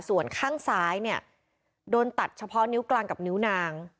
ส่วนข้างซ้ายเนี่ยโดนตัดเฉพาะนิ้วกลางกับนิ้วนาง